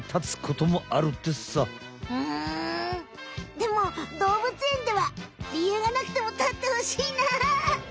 でもどうぶつえんではりゆうがなくても立ってほしいな！